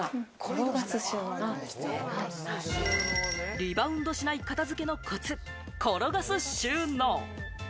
リバウンドしない片付けのコツ、転がす収納。